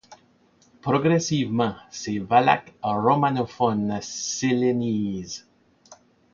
Progressivement, ces valaques romanophones s’hellénisent.